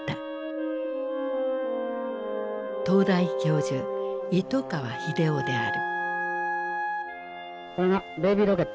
東大教授糸川英夫である。